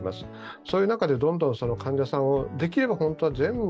そういう中でどんどん患者さんを、できれば患者さんを